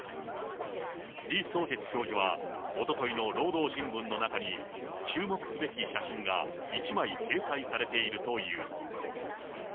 李相哲教授は、おとといの労働新聞の中に、注目すべき写真が１枚掲載されているという。